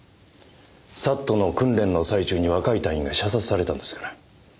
ＳＡＴの訓練の最中に若い隊員が射殺されたんですから。